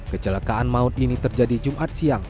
kecelakaan maut ini terjadi jumat siang